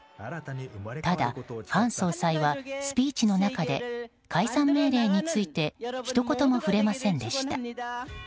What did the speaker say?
ただ、韓総裁はスピーチの中で解散命令についてひと言も触れませんでした。